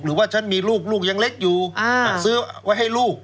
หรือว่าฉันมีลูกลูกยังเล็กอยู่ซื้อไว้ให้ลูก